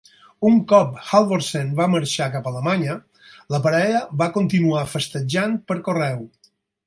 Un cop Halvorsen va marxar cap a Alemanya, la parella va continuar festejant per correu.